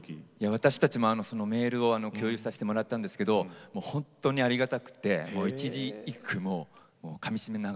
私たちもそのメールを共有させてもらったんですけど本当にありがたくて一字一句もうかみしめながら読みました。